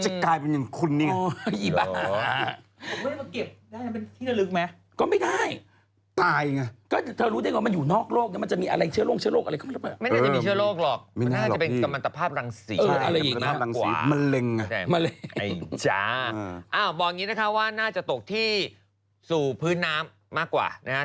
อะไรอีกไหมมะเร็งอ่ะไอ้จ้าอ้าวบอกอย่างนี้นะคะว่าน่าจะตกที่สู่พื้นน้ำมากกว่านะครับ